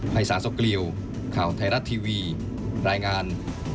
ไพรสาสกรีวข่าวไทรัฐทีวีรายงาน